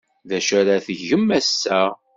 D acu ara tgem ass-a?